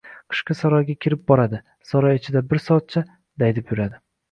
Qishki saroyga kirib boradi. Saroy ichida bir soatcha... daydib yuradi.